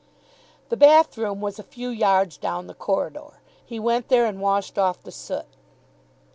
The bathroom was a few yards down the corridor. He went there, and washed off the soot.